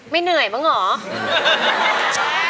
ไม่เหนื่อยมั้งหรอ